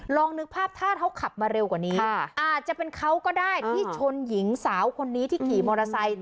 นึกภาพถ้าเขาขับมาเร็วกว่านี้อาจจะเป็นเขาก็ได้ที่ชนหญิงสาวคนนี้ที่ขี่มอเตอร์ไซค์